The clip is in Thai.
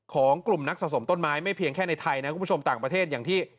ของกลุ่มนักสะสมต้นไม้ไม่เพียงแค่ในไทยนะคุณผู้ชมต่างประเทศอย่างที่